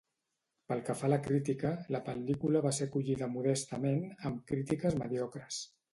Pel que fa a la crítica, la pel·lícula va ser acollida modestament, amb crítiques mediocres.